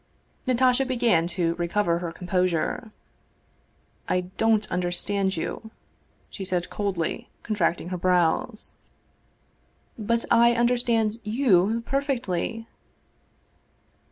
Natasha began to recover her composure. " I don't understand you," she said coldly, contracting her brows. " But I understand you perfectly."